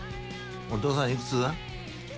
お父さんいくつ？